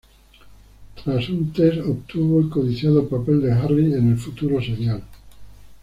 Tras un test, obtuvo el codiciado papel de Harry en el futuro serial.